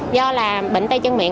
do là bệnh tay chân miệng